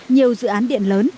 nhiều dự án điện lớn